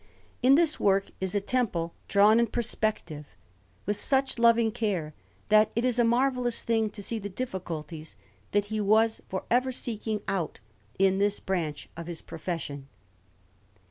In this work is a temple drawn in perspective with such loving care, that it is a marvellous thing to see the difficulties that he was for ever seeking out in this branch of his profession.